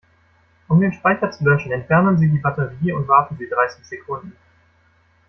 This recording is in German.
Um den Speicher zu löschen, entfernen Sie die Batterie und warten Sie dreißig Sekunden.